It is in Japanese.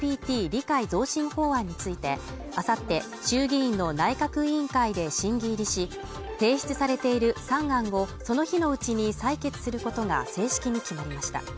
理解増進法案について、あさって衆議院の内閣委員会で審議入りし、提出されている３案をその日のうちに採決することが正式に決まりました。